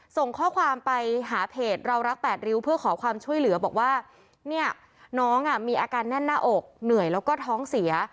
ส่งข้อความไปหาเพจเรารัก๘ริ้วเพื่อขอความช่วยเหลือบอกว่าเนี่ยน้องอ่ะมีอาการแน่นหน้าอกเหนื่อยแล้วก็ท้องเสีย